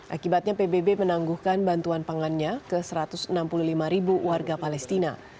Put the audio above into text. akibatnya pbb menangguhkan bantuan pangannya ke satu ratus enam puluh lima ribu warga palestina